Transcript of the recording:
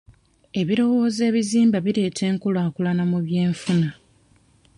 Ebirowoozo ebizimba bireeta enkulaakulana mu by'enfuna.